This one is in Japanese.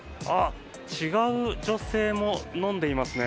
違う女性も飲んでいますね。